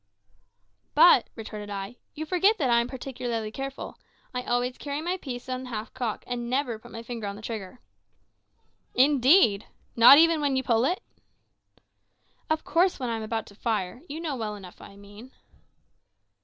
"But," retorted I, "you forget that I am particularly careful. I always carry my piece on half cock, and never put my finger on the trigger." "Indeed: not even when you pull it?" "Of course when I am about to fire; but you know well enough what I mean."